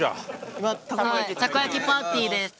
今たこ焼きパーティーです。